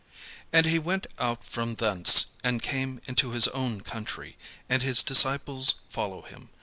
And he went out from thence, and came into his own country; and his disciples follow him.